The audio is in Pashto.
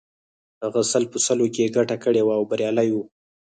هغه سل په سلو کې ګټه کړې وه او بریالی و